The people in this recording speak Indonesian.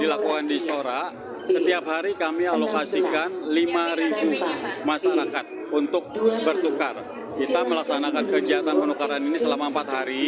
akhir bulan maret dua ribu dua puluh empat